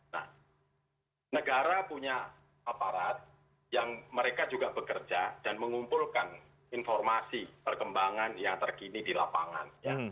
nah negara punya aparat yang mereka juga bekerja dan mengumpulkan informasi perkembangan yang terkini di lapangan